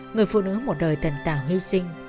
người phụ nữ một đời thần tạo hy sinh